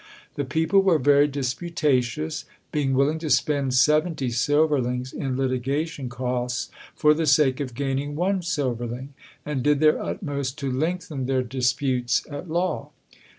The people were very disputatious, being willing to spend seventy silverlings in litigation costs for the sake of gaining one silverling, and did their utmost to lengthen their disputes at law.